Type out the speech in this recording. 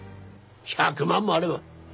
１００万もあれば。